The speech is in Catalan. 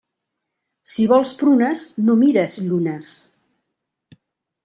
Si vols prunes, no mires llunes.